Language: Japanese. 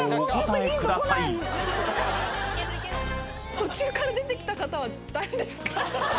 途中から出てきた方は誰ですか？